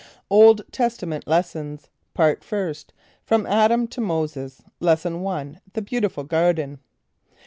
OLD TESTAMENT LESSONS. PART FIRST. FROM ADAM TO MOSES. Lesson I. The Beautiful Garden.